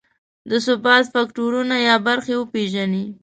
د ثبات فکټورونه یا برخې وپېژني.